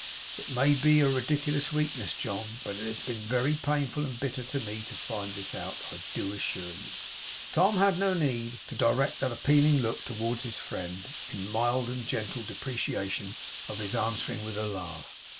It may be a ridiculous weakness, John, but it has been very painful and bitter to me to find this out, I do assure you.' Tom had no need to direct that appealing look towards his friend, in mild and gentle deprecation of his answering with a laugh.